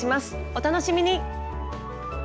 お楽しみに！